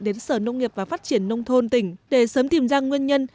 đến sở nông nghiệp và phát triển nông thôn tỉnh để sớm tìm ra nguyên nhân